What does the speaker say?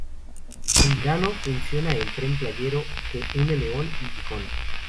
En verano, funciona el tren playero que une León y Gijón.